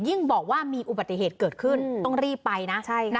บอกว่ามีอุบัติเหตุเกิดขึ้นต้องรีบไปนะ